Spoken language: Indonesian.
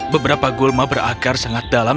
beberapa gulma berakar sangat dalam